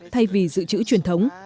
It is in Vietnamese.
thay vì dự trữ truyền thống